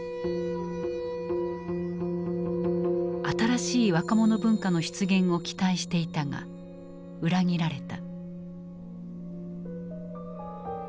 新しい若者文化の出現を期待していたが裏切られた。